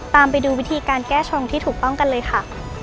ตามไปดูวิธีการแก้ชงที่ถูกต้องกันเลยค่ะ